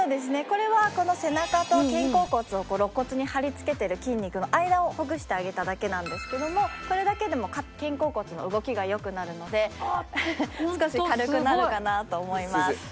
これは背中と肩甲骨を肋骨に張り付けてる筋肉の間をほぐしてあげただけなんですけどもこれだけでも肩甲骨の動きが良くなるので少し軽くなるかなと思います。